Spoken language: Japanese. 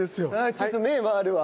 ちょっと目回るわ。